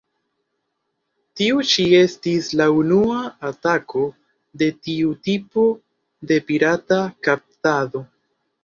Tiu ĉi estis la unua atako de tiu tipo de pirata "kaptado".